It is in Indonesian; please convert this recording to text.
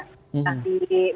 nah di minggu kemarin